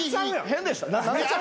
変でした？